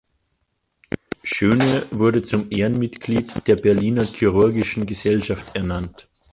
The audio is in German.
Schöne wurde zum Ehrenmitglied der Berliner Chirurgischen Gesellschaft ernannt.